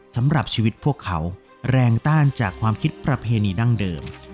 สำหรับชีวิตพวกเขาแรงต้านจากความคิดประเพณีดั้งเดิม